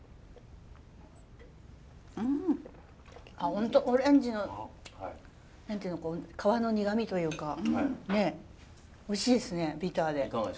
本当オレンジの何て言うのこう皮の苦みというかねおいしいですねビターで。